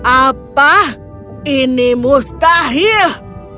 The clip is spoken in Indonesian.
apa ini mustahil